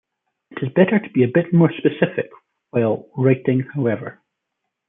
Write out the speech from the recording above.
It is better to be a bit more specific while writing however.